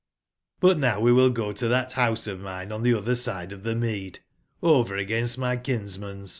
But now we will go to tbat bouse of mine on tbe otber side of tbe mead, over against my kins man's."